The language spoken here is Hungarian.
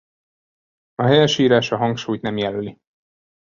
A helyesírás a hangsúlyt nem jelöli.